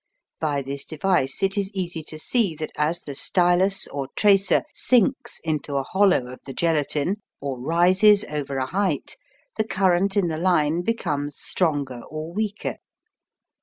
By this device it is easy to see that as the stylus or tracer sinks into a hollow of the gelatine, or rises over a height, the current in the line becomes stronger or weaker.